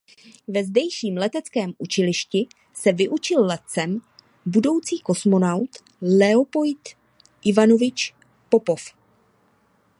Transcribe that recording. Ve zdejším leteckém učilišti se vyučil letcem budoucí kosmonaut Leonid Ivanovič Popov.